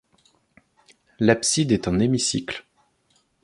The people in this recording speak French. L'abside est en hémicycle.